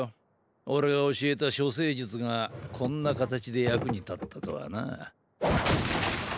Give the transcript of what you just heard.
俺が教えた処世術がこんな形で役に立ったとはな。